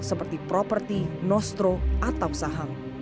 seperti properti nostro atau saham